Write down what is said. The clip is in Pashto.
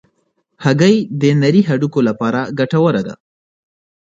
هګۍ د نرۍ هډوکو لپاره ګټوره ده.